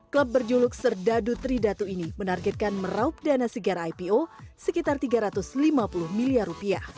klub berjuluk serdadu tridatu ini menargetkan meraup dana segar ipo sekitar rp tiga ratus lima puluh miliar